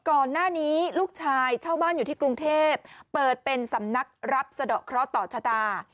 ก่อนหน้านี้ลูกชายเช่าบ้านอยู่ที่กรุงเทพเปิดเป็นสำนักรับสะดอกเคราะห์ต่อชะตา